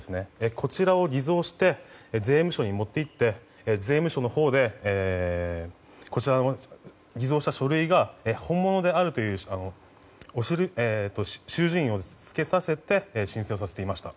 こちらを偽造して税務署にもっていって税務署のほうでこちらの偽造した書類が本物であるという収受印をつけさせて申請をさせていました。